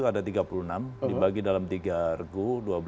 ada tiga puluh enam dibagi dalam tiga regu dua belas dua belas dua belas